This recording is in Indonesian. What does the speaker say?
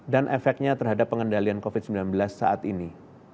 dan efeknya terhadap pengendalian covid sembilan belas saat ini